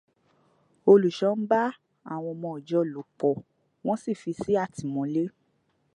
Olùṣọ́ ń bá àwọn ọmọ ìjọ lọ̀ pọ̀, wọ́n sì fi sí àtìmọ́lé.